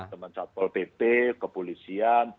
teman teman ke pol pp ke polisian